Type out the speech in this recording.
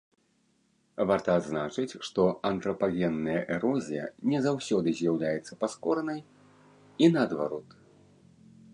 Варта адзначыць, што антрапагенная эрозія не заўсёды з'яўляецца паскоранай, і наадварот.